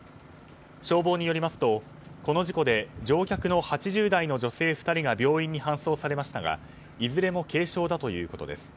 消防によりますと、この事故で乗客の８０代の女性２人が病院に搬送されましたがいずれも軽傷だということです。